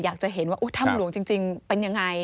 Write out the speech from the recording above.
อยากจะเห็นว่าถ้ำหลวงจริงเป็นยังไง